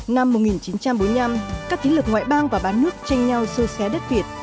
năm một nghìn chín trăm bốn mươi năm các thế lực ngoại bang và bán nước tranh nhau xô xé đất việt